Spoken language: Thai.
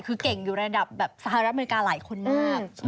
คือเก่งอยู่ระดับแบบสหรัฐอเมริกาหลายคนมาก